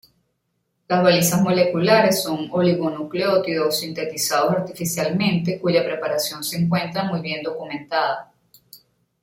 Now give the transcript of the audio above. Las balizas moleculares son oligonucleótidos sintetizados artificialmente, cuya preparación se encuentra muy bien documentada.